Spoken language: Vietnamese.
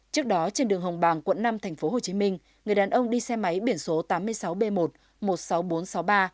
trước đó trên đường hồng bàng quận năm tp hcm người đàn ông đi xe máy biển số tám mươi sáu b một một mươi sáu nghìn bốn trăm sáu mươi ba